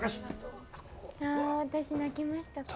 あ私泣きました